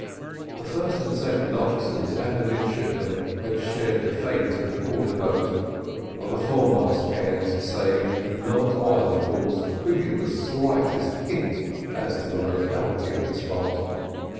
The first and second officers and a midshipman had shared the fate of the quarter boat; of the foremast hands saved, not one, of course, could give the slightest hint as to the locality of the spot.